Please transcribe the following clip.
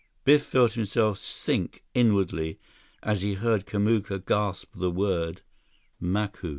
Biff felt himself sink inwardly as he heard Kamuka gasp the word: "Macu!"